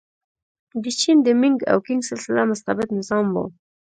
د چین د مینګ او کینګ سلسله مستبد نظام و.